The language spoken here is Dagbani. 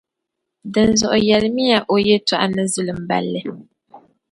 Din zuɣu yεlimi ya o yɛltɔɣa ni zilimballi.